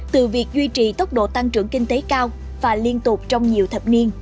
từ việc duy trì tốc độ tăng trưởng kinh tế cao và liên tục trong nhiều thập niên